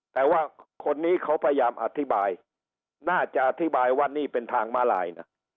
แต่ว่าคนนี้เขาพยายามอธิบายน่าจะอธิบายว่านี่เป็นทางมาลายนะ